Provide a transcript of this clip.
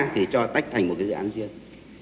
thì cho tách thành một cái dự án riêng